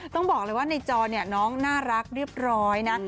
ต้องบอกเลยว่าในจอเนี่ยน้องน่ารักเรียบร้อยนะ